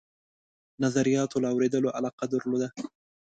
نظریاتو له اورېدلو علاقه درلوده.